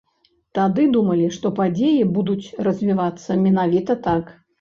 Тады думалі, што падзеі будуць развівацца менавіта так?